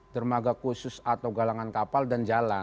dermaga khusus atau galangan kapal dan jalan